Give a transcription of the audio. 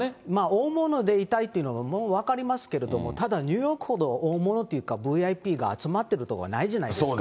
大物でいたいというのはもう分かりますけれども、ただ、ニューヨークほど大物っていうか、ＶＩＰが集まってる所はないじゃないですか。